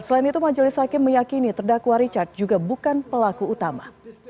selain itu majelis hakim meyakini terdakwa richard juga bukan pelaku utama